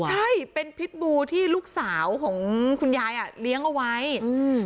ใช่เป็นพิษบูที่ลูกสาวของคุณยายอ่ะเลี้ยงเอาไว้อืม